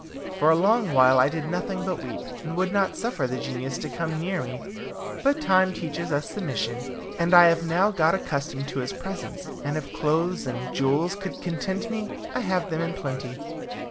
For a long while I did nothing but weep, and would not suffer the genius to come near me; but time teaches us submission, and I have now got accustomed to his presence, and if clothes and jewels could content me, I have them in plenty.